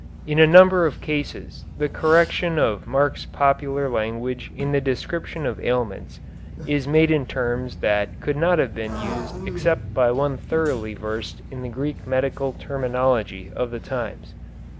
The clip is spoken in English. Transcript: In a number of cases the correction of Mark's popular language in the description of ailments is made in terms that could not have been used except by one thoroughly versed in the Greek medical terminology of the times.